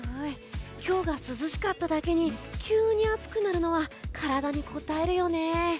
今日が涼しかっただけに急に暑くなるのは体にこたえるよね。